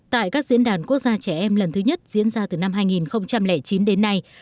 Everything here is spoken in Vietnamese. tại các diễn đàn quốc gia trẻ em lần thứ nhất diễn ra từ năm hai nghìn chín đến nay